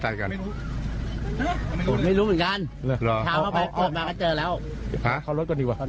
จ่ายกันไม่รู้เหมือนกันเจอแล้วฮะเข้ารถก่อนดีกว่าตอน